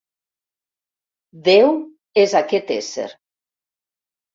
Déu és aquest ésser.